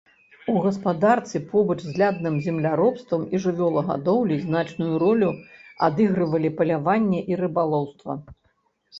У гаспадарцы побач з лядным земляробствам і жывёлагадоўляй значную ролю адыгрывалі паляванне і рыбалоўства.